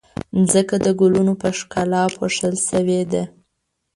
ځمکه د ګلونو په ښکلا پوښل شوې ده.